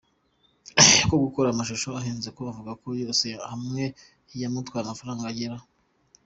ko gukora amashusho ahenze aho avuga ko yose hamwe yamutwaye amafaranga agera.